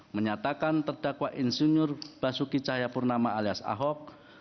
menyatakan terdakwa insinyur basuki cahayapurnama alias ahok